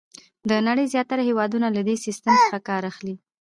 د نړۍ زیاتره هېوادونه له دې سیسټم څخه کار اخلي.